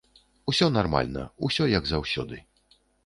Усё нармальна, усё як заўсёды.